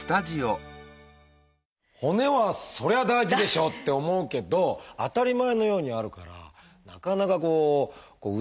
骨はそりゃ大事でしょって思うけど当たり前のようにあるからなかなかこう失ってからでないと